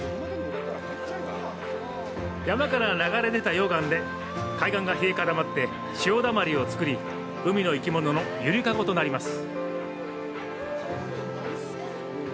山から流れ出た溶岩で海岸で冷え固まって潮だまりをつくり海の生き物の揺りかごとなります。